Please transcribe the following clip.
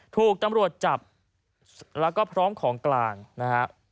ถูกตำรวจจับแล้วก็พร้อมของกลางนะฮะ